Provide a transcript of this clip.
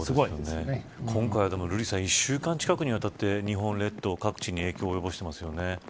今回、１週間近くにわたって日本列島各地に影響を及ぼしていますよね。